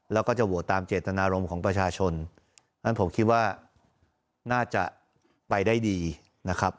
แล้วก็จะโหวตตามเจตนารมณ์ของประชาชนฉะนั้นผมคิดว่าน่าจะไปได้ดีนะครับ